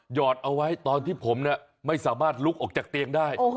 อดเอาไว้ตอนที่ผมไม่สามารถลุกออกจากเตียงได้